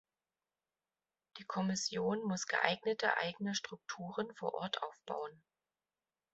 Die Kommission muss geeignete eigene Strukturen vor Ort aufbauen.